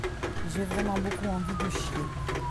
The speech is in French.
J’ai vraiment beaucoup envie de chier.